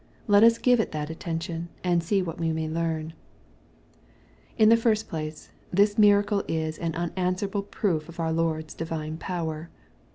Let us give it that attention, and see what we may learn. y In the first place, this miracle is an unanswercbble proof of our LorcCs divine power.